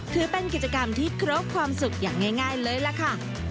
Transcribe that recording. ถือเป็นกิจกรรมที่ครบความสุขอย่างง่ายเลยล่ะค่ะ